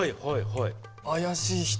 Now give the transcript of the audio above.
はいはいはい。